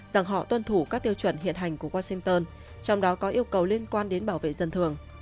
rằng họ tuân thủ các tiêu chuẩn hiện hành của washington trong đó có yêu cầu liên quan đến bảo vệ dân thường